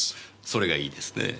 それがいいですねえ。